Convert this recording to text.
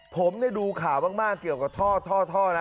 ผมดูข่าวมากเกี่ยวกับท่อนะ